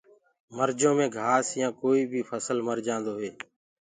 مرجو مينٚ گآس يآ ڪوئي بي ڦسل ڀݪجآندو هي۔